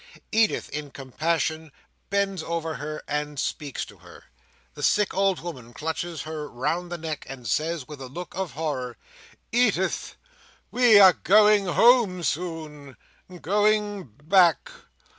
Edith, in compassion, bends over her and speaks to her. The sick old woman clutches her round the neck, and says, with a look of horror, "Edith! we are going home soon; going back.